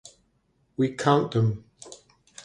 We count them.